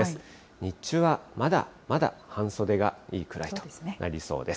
日中はまだまだ半袖がいいくらいとなりそうです。